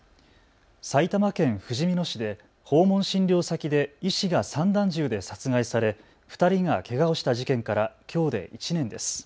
埼玉県ふじみ野市で訪問診療先で医師が散弾銃で殺害され２人がけがをした事件からきょうで１年です。